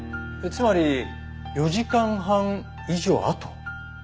つまり４時間半以上あと。